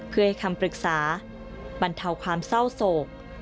เพื่อให้คำปรึกษาบรรเทาความเศร้าโศก